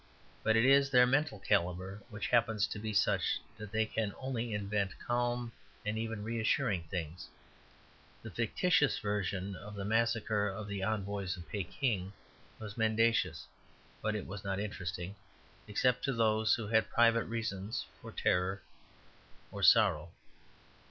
But it is their mental calibre which happens to be such that they can only invent calm and even reassuring things. The fictitious version of the massacre of the envoys of Pekin was mendacious, but it was not interesting, except to those who had private reasons for terror or sorrow.